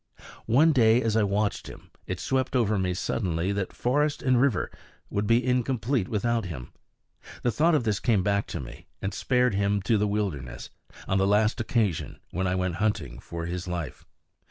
One day as I watched him, it swept over me suddenly that forest and river would be incomplete without him. The thought of this came back to me, and spared him to the wilderness, on the last occasion when I went hunting for his life.